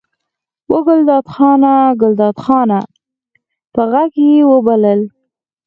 وه ګلداد خانه! ګلداد خانه! په غږ یې وبلل.